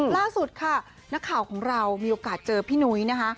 ล่าสุดค่ะนักข่าวของเรามีโอกาสเจอพี่นุ้ยนะคะ